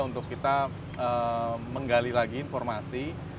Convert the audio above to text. untuk kita menggali lagi informasi